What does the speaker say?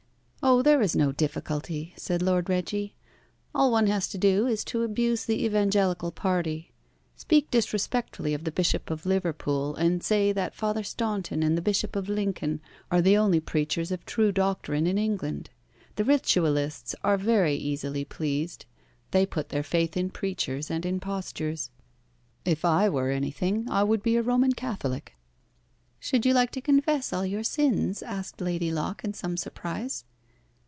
"Oh, there is no difficulty," said Lord Reggie. "All one has to do is to abuse the Evangelical party. Speak disrespectfully of the Bishop of Liverpool, and say that Father Staunton and the Bishop of Lincoln are the only preachers of true doctrine in England. The Ritualists are very easily pleased. They put their faith in preachers and in postures. If I were anything, I would be a Roman Catholic." "Should you like to confess all your sins?" asked Lady Locke, in some surprise.